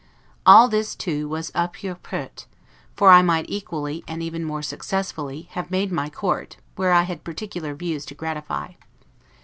All this too was 'a pure perte'; for I might equally, and even more successfully, have made my court, when I had particular views to gratify.